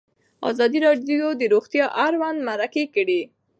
ازادي راډیو د روغتیا اړوند مرکې کړي.